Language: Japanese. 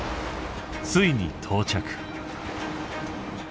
ついに到着。